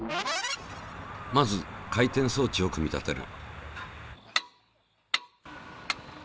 まず回転装置を組み立てる。